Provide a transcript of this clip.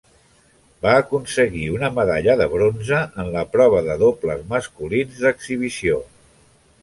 Va aconseguir una medalla de bronze en la prova de dobles masculins d'exhibició.